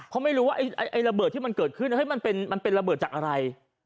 เพราะไม่รู้ว่าไอ้ระเบิดที่มันเกิดขึ้นมันเป็นระเบิดจากอะไร